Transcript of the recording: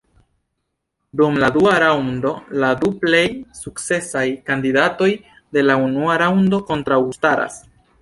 Dum la dua raŭndo la du plej sukcesaj kandidatoj de la unua raŭndo kontraŭstaras.